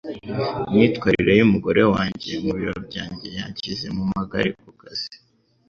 Imyitwarire yumugore wanjye mubiro byanjye yanshyize mumagare kukazi